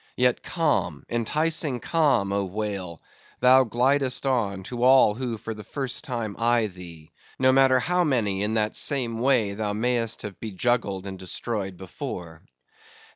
Yet calm, enticing calm, oh, whale! thou glidest on, to all who for the first time eye thee, no matter how many in that same way thou may'st have bejuggled and destroyed before.